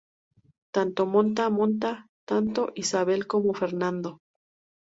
Tanto monta, monta tanto, Isabel como Fernando